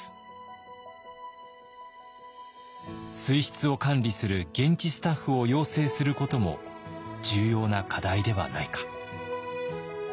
水質を管理する現地スタッフを養成することも重要な課題ではないか。